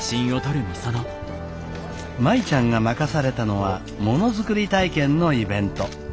舞ちゃんが任されたのはものづくり体験のイベント。